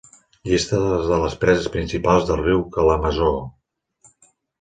Llista de les preses principals del riu Kalamazoo.